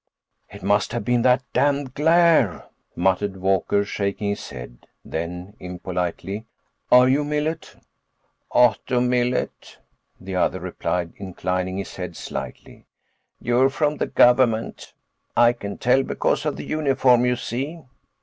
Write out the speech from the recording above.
"It must have been that damned glare," muttered Walker, shaking his head. Then, impolitely, "Are you Millet?" "Otto Millet," the other replied, inclining his head slightly. "You're from the government. I can tell because of the uniform, you see."